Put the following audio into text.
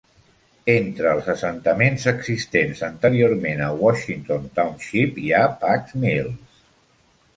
Entre els assentaments existents anteriorment a Washington Township hi ha Pack's Mills.